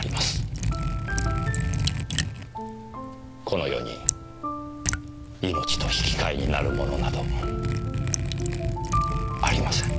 この世に命と引き換えになるものなどありません。